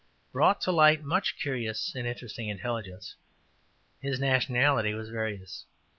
brought to light much curious and interesting intelligence. His nationality was various.